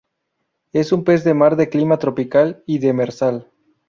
Es un pez de mar de clima tropical y demersal.